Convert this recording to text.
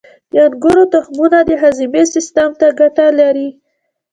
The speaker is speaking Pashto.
• د انګورو تخمونه د هاضمې سیستم ته ګټه لري.